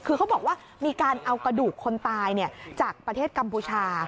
คือเขาบอกว่ามีการเอากระดูกคนตายจากประเทศกัมพูชา